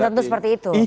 belum tentu seperti itu